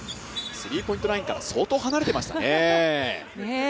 スリーポイントラインから相当離れてましたね。